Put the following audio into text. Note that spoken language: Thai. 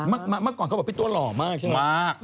เมื่อก่อนเขาบอกพี่ตัวหล่อมากใช่ไหม